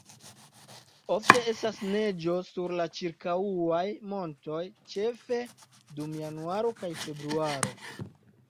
Ofte estas neĝo sur la ĉirkaŭaj montoj ĉefe dum januaro kaj februaro.